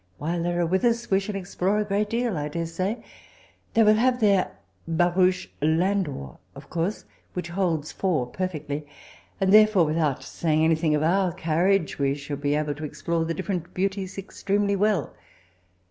While they are with us, we shall explore a great deal, I daresay. They will have their barouche landau, of course, which holds four perfectly ; and therefore, with ont saying anything of our carriage, we should be able to explore the different beauties extremely wefl.